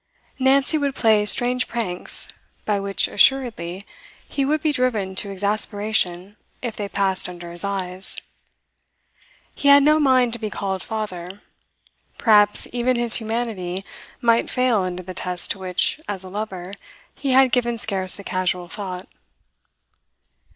Nancy would play strange pranks, by which, assuredly, he would be driven to exasperation if they passed under his eyes. He had no mind to be called father; perhaps even his humanity might fail under the test to which, as a lover, he had given scarce a casual thought.